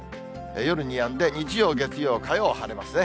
夜にやんで、日曜、月曜、火曜、晴れますね。